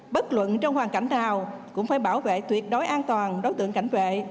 bất luận trong hoàn cảnh nào cũng phải bảo vệ tuyệt đối an toàn đối tượng cảnh vệ